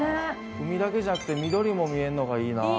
海だけじゃなくて緑も見えるのがいいな。